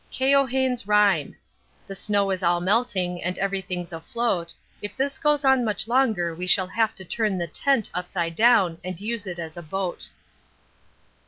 Keohane's rhyme! The snow is all melting and everything's afloat, If this goes on much longer we shall have to turn the tent upside down and use it as a boat.